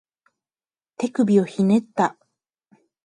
手首をひねった